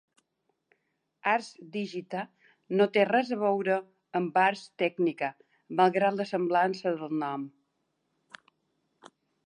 ArsDigita no té res a veure amb Ars Technica, malgrat la semblança del nom.